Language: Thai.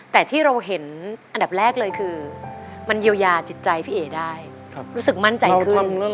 แต่ที่เราเห็นอันดับแรกเลยคือมันเยียวยาจิตใจพี่เอ๋ได้ครับรู้สึกมั่นใจเคยเราธรรมด์แล้ว